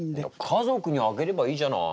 家族にあげればいいじゃない！